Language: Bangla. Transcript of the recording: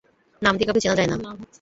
নাম দিয়ে কাউকে চেনা যায় ন।